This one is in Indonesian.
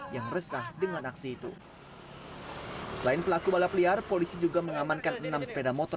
yang resah dengan aksi itu selain pelaku balap liar polisi juga mengamankan enam sepeda motor